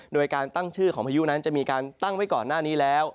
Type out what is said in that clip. โดยการตั้งชื่อของพายุนั้นจะมีการตั้งไว้ก่อนหน้านี้แล้ว